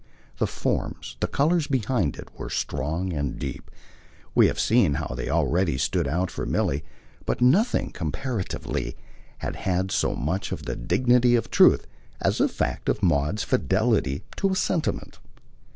The forms, the colours behind it were strong and deep we have seen how they already stood out for Milly; but nothing, comparatively, had had so much of the dignity of truth as the fact of Maud's fidelity to a sentiment.